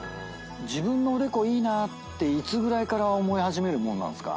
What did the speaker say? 自分のおでこいいなっていつぐらいから思い始めるもんなんすか？